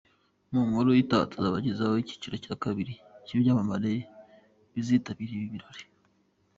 Mu nkuru itaha tuzabagezaho icyiciro cya kabiri cy’ibyamamare bizitabira ibi birori.